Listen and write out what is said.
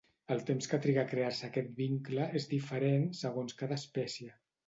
El temps que triga a crear-se aquest vincle és diferent segons cada espècie.